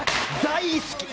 大好き！